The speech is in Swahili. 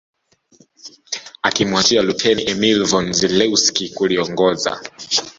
Akimwachia Luteni Emil von Zelewski kuliongoza